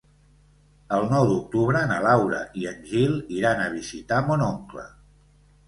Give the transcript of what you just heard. El nou d'octubre na Laura i en Gil iran a visitar mon oncle.